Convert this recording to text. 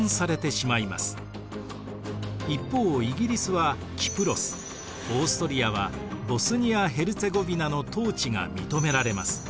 一方イギリスはキプロスオーストリアはボスニア・ヘルツェゴヴィナの統治が認められます。